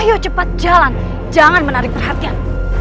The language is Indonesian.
ayo cepat jalan jangan menarik perhatian